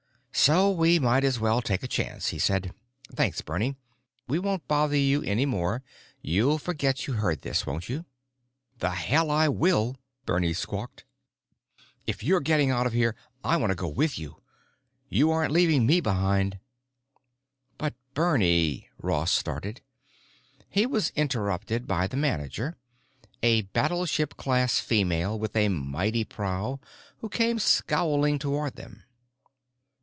"So we might as well take a chance," he said. "Thanks, Bernie. We won't bother you any more. You'll forget you heard this, won't you?" "The hell I will!" Bernie squawked. "If you're getting out of here, I want to go with you! You aren't leaving me behind!" "But Bernie——" Ross started. He was interrupted by the manager, a battleship class female with a mighty prow, who came scowling toward them.